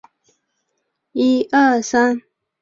唐人墓是位于日本冲绳县石垣市观音崎的华人墓地。